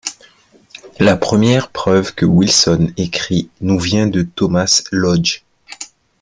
La première preuve que Wilson écrit nous vient de Thomas Lodge.